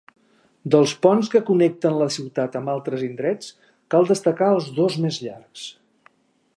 Dels ponts que connecten la ciutat amb altres indrets, cal destacar els dos més llargs.